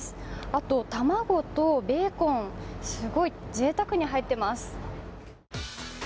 あと卵とベーコン、すごいぜいたくに入っています。